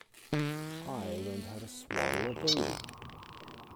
I learned how to swaddle a baby.